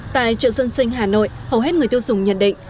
tại chợ dân sinh hà nội hầu hết người tiêu dùng nhận định